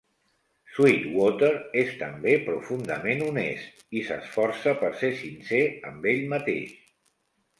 Sweetwater és també profundament honest i s'esforça per ser sincer amb ell mateix.